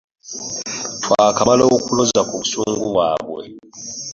Twakamala okuloza ku busungu bwabwe.